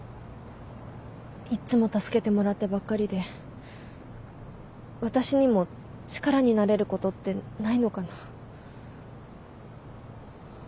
いっつも助けてもらってばっかりで私にも力になれることってないのかな。